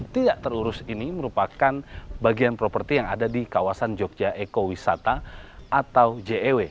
tidak terurus ini merupakan bagian properti yang ada di kawasan jogja ekowisata atau jew